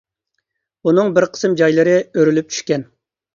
ئۇنىڭ بىر قىسىم جايلىرى ئۆرۈلۈپ چۈشكەن.